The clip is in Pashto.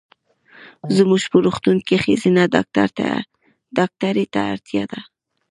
زمونږ په روغتون کې ښځېنه ډاکټري ته اړتیا ده.